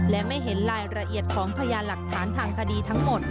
และไม่เห็นรายละเอียดของพยานหลักฐานทางคดีทั้งหมด